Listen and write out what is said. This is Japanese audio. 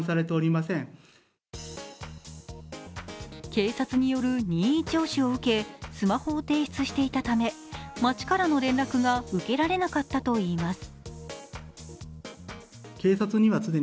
警察による任意聴取を受けスマホを提出していたため町からの連絡が受けられなかったといいます。